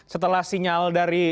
setelah sinyal dari